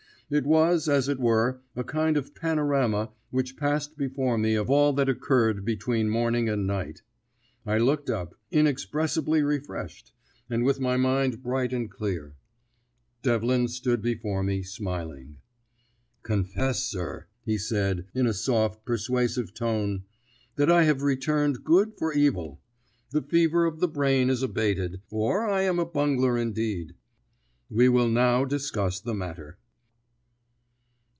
It was, as it were, a kind of panorama which passed before me of all that occurred between morning and night. I looked up, inexpressibly refreshed, and with my mind bright and clear. Devlin stood before me, smiling. "Confess, sir," he said, in a soft persuasive tone, "that I have returned good for evil. The fever of the brain is abated, or I am a bungler indeed. We will now discuss the matter."